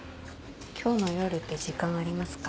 今日の夜って時間ありますか？